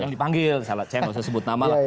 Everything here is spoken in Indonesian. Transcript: yang dipanggil salah channel saya sebut nama lah